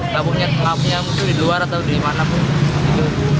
nggak punya musuh di luar atau di mana pun